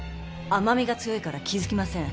甘味が強いから気付きません。